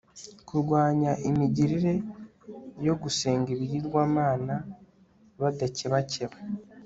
kurwanya imigirire yo gusenga ibigirwamana badakebakeba